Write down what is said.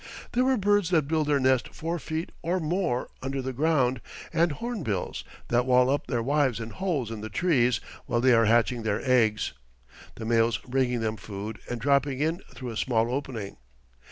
There were birds that build their nest four feet or more under the ground, and hornbills, that wall up their wives in holes in the trees while they are hatching their eggs, the males bringing them food and dropping it through a small opening.